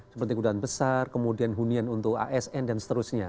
seperti kebutuhan besar kemudian hunian untuk asn dan seterusnya